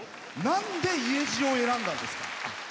なんで「家路」を選んだんですか？